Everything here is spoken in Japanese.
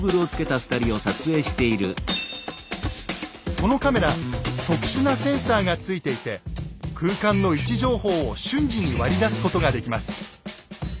このカメラ特殊なセンサーがついていて空間の位置情報を瞬時に割り出すことができます。